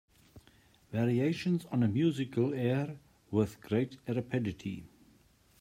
Variations on a musical air With great rapidity.